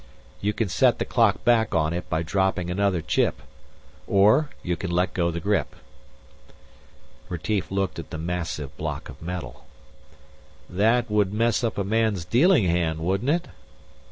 You can set the clock back on it by dropping another chip or you can let go the grip." Retief looked at the massive block of metal. "That would mess up a man's dealing hand, wouldn't it?"